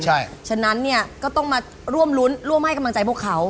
เพราะฉะนั้นเนี่ยก็ต้องมาร่วมรุ้นร่วมให้กำลังใจพวกเขา